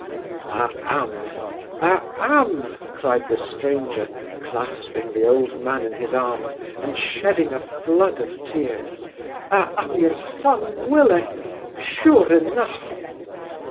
'I am! I am! (cried the stranger, clasping the old man in his arms, and shedding a flood of tears) I am your son Willy, sure enough!